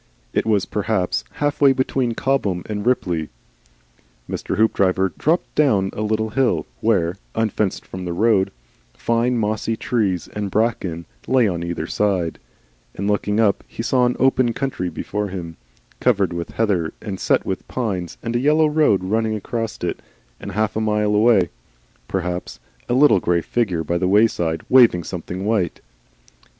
It was perhaps half way between Cobham and Ripley. Mr. Hoopdriver dropped down a little hill, where, unfenced from the road, fine mossy trees and bracken lay on either side; and looking up he saw an open country before him, covered with heather and set with pines, and a yellow road running across it, and half a mile away perhaps, a little grey figure by the wayside waving something white.